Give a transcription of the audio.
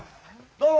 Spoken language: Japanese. どうも。